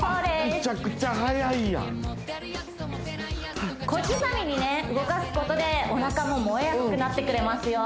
メチャクチャ速いやん小刻みに動かすことでお腹も燃えやすくなってくれますよ